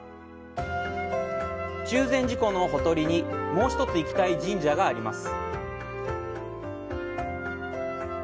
中禅寺湖のほとりに、もう１つ、行きたい神社があります。